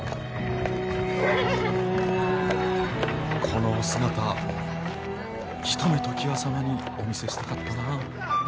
このお姿一目常磐様にお見せしたかったなあ。